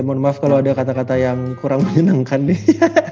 mohon maaf kalau ada kata kata yang kurang menyenangkan nih